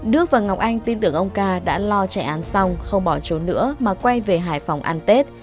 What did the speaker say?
đức và ngọc anh tin tưởng ông ca đã lo chạy án xong không bỏ trốn nữa mà quay về hải phòng ăn tết